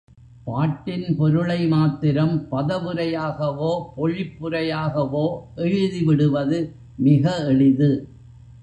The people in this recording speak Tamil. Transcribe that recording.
பாட்டின் பொருளை மாத்திரம் பதவுரையாகவோ பொழிப்புரையாகவோ எழுதிவிடுவது மிக எளிது.